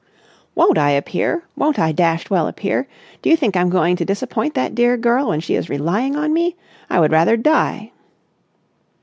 "Won't I appear! Won't I dashed well appear! Do you think I'm going to disappoint that dear girl when she is relying on me? I would rather die."